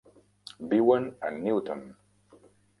Viuen a Newton.